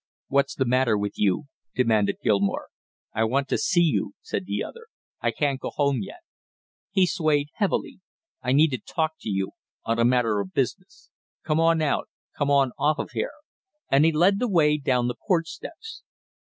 "What's the matter with you?" demanded Gilmore. "I want to see you," said the other. "I can't go home yet." He swayed heavily. "I need to talk to you on a matter of business. Come on out come on off of here;" and he led the way down the porch steps.